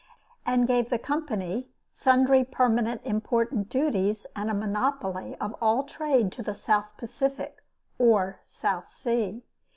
and gave the Company sundry permanent important duties and a monopoly of all trade to the South Pacific, or "South Sea."